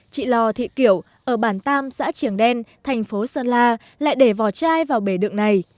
chị lò thị kiểu ở bản tam xã triển đen thành phố sơn la lại để vỏ chai vào bể đựng này